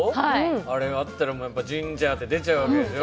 あれあったら、ジンジャーって出ちゃうわけでしょ。